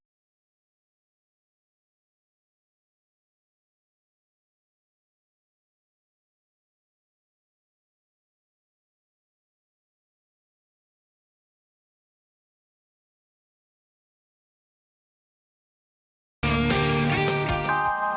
tapi kalau aku tahu